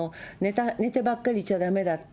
寝てばっかりいちゃだめだって。